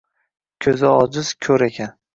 Ko‘zi ojiz – ko‘r ekan.